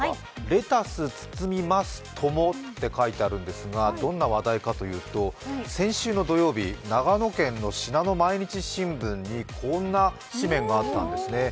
レタス包みますともともと書いてありますがどんな話題かというと先週の土曜日、長野県の「信濃毎日新聞」に、こんな紙面があったんですね。